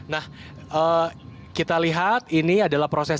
nah kita lihat ini adalah proses